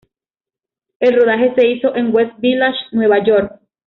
El rodaje se hizo en West Village, Nueva York.